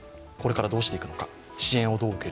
これからどうしていくのか。